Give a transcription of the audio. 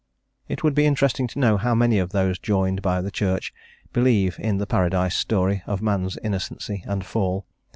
It would be interesting to know how many of those joined by the Church believe in the Paradise story of man's innocency and fall.